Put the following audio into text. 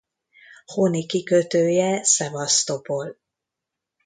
Honi kikötője Szevasztopol.